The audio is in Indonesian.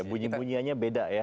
bunyi bunyianya beda ya